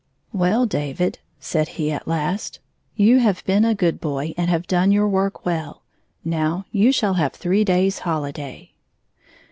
'* Well, David," said he at last, " you have been a good boy and have done your work well. Now you shall have three days' hohday."